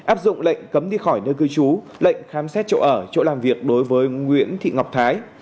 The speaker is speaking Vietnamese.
áp dụng lệnh cấm đi khỏi nơi cư trú lệnh khám xét chỗ ở chỗ làm việc đối với nguyễn thị ngọc thái